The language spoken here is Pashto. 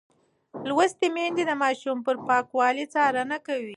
لوستې میندې د ماشوم پر پاکوالي څارنه کوي.